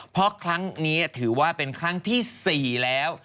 เพราะครั้งนี้ถือว่าเป็นครั้งที่๔แล้ว